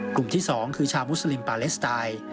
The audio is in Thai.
กลุ่มที่๒คือชาวมุสลิมปาเลสไตล์